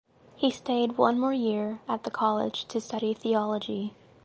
He stayed one more year at the college to study theology.